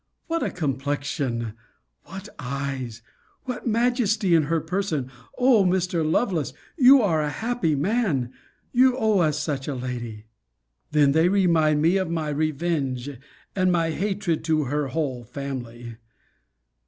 What a complexion! What eyes! What majesty in her person! O Mr. Lovelace, you are a happy man! You owe us such a lady!' Then they remind me of my revenge, and of my hatred to her whole family.